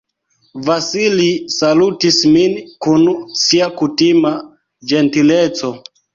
Vasili salutis min kun sia kutima ĝentileco.